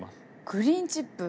グリーンチップ！